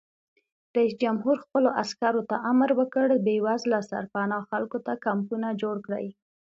رئیس جمهور خپلو عسکرو ته امر وکړ؛ بې سرپناه خلکو ته کمپونه جوړ کړئ!